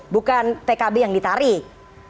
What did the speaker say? bukan pkb yang ditarik